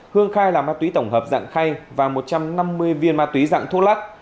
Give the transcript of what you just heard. hương khai là ma túy tổng hợp dạng khay và một trăm năm mươi viên ma túy dạng thuốc lắc